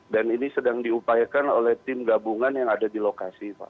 dan ini sedang diupayakan oleh tim gabungan yang ada di lokasi pak